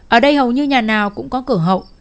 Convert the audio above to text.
ở đây hầu như nhà nào cũng có cửa hậu